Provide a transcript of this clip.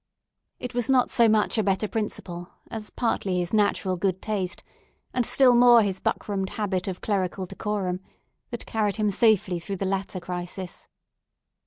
It was not so much a better principle, as partly his natural good taste, and still more his buckramed habit of clerical decorum, that carried him safely through the latter crisis.